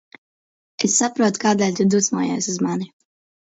Es saprotu, kādēļ tu dusmojies uz mani.